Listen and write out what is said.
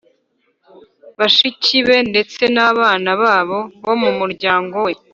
bashiki be ndetse n'abana babo bo mu muryango we